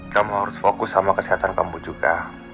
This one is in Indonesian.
kamu harus fokus sama kesehatan kamu juga